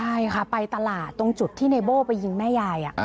ใช่ค่ะไปตลาดตรงจุดที่ในโบ้ไปยิงแม่ยาย